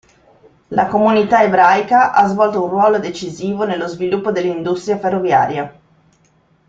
La comunità ebraica ha svolto un ruolo decisivo nello sviluppo dell'industria ferroviaria.